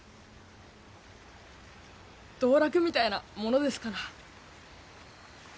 道楽みたいなものですから。